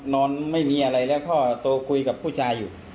นอนไม่มีอะไรแล้วก็โตคุยกับผู้ชายอยู่